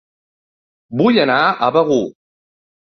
Vull anar a Begur